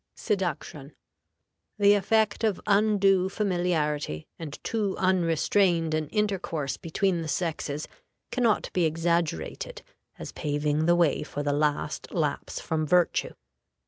SEDUCTION. The effect of undue familiarity, and too unrestrained an intercourse between the sexes, can not be exaggerated as paving the way for the last lapse from virtue.